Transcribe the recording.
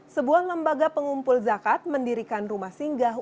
sebuah lembaga pengumpul zakat mendirikan rumah singgah